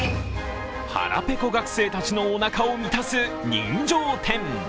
腹ぺこ学生たちのおなかを満たす人情店。